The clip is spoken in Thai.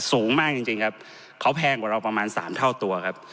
สูงมากจริงครับเขาแพงกว่าเราประมาณ๓เท่าตัวครับ